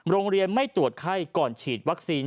โรงเรียนไม่ตรวจไข้ก่อนฉีดวัคซีน